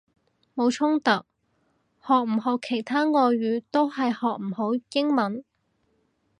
冇衝突，學唔學其他外語都係學唔好英文！